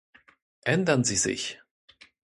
Ändern Sie sich!